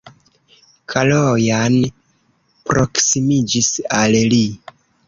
Kalojan proksimiĝis al li.